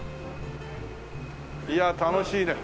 いや楽しいね。